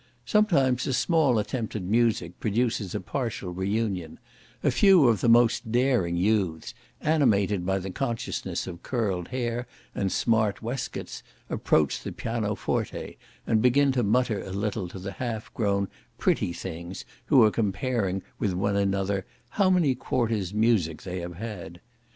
Sometimes a small attempt at music produces a partial reunion; a few of the most daring youths, animated by the consciousness of curled hair and smart waistcoats, approach the piano forte, and begin to mutter a little to the half grown pretty things, who are comparing with one another "how many quarters' music they have had."